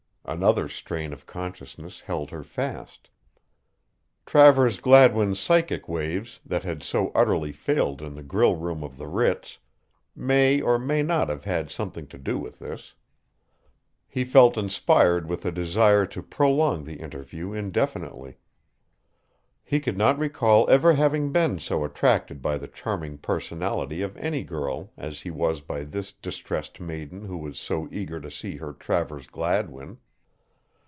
Another strain of consciousness held her fast. Travers Gladwin's psychic waves that had so utterly failed in the grill room of the Ritz may or may not have had something to do with this. He felt inspired with a desire to prolong the interview indefinitely. He could not recall ever having been so attracted by the charming personality of any girl as he was by this distressed maiden who was so eager to see her Travers Gladwin.